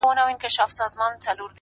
زما له زړه څخه غمونه ولاړ سي